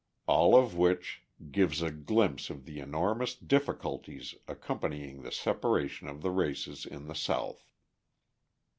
All of which gives a glimpse of the enormous difficulties accompanying the separation of the races in the South.